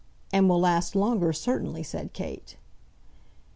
"And will last longer, certainly," said Kate.